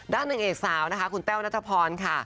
ด้านหนึ่งเอกสาวนะคะคุณแต้วนัทธพรค่ะ